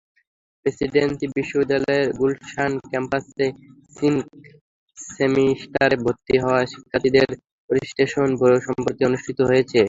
Presidency বিশ্ববিদ্যালয়ের গুলশান ক্যাম্পাসে spring সেমিস্টারে ভর্তি হওয়া শিক্ষার্থীদের ওরিয়েন্টেশন সম্প্রতি অনুষ্ঠিত হয়েছে।